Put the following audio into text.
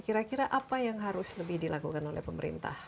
kira kira apa yang harus lebih dilakukan oleh pemerintah